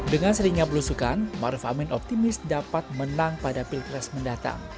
dengan serinya berusukan ma'ruf amin optimis dapat menang pada pilpres mendatang